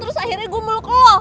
terus akhirnya gue muluk lo